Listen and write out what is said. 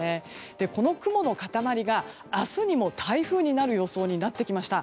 この雲の塊が明日にも台風になる予想になってきました。